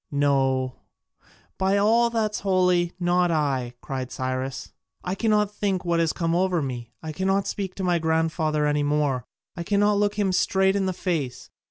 "No, by all that's holy, not I!" cried Cyrus. "I cannot think what has come over me: I cannot speak to my grandfather any more; I cannot look him straight in the face.